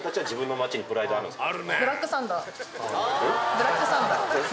ブラックサンダー？